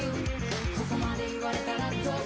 「ここまで言われたらどう？